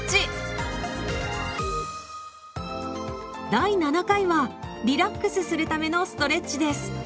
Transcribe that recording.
第７回はリラックスするためのストレッチです。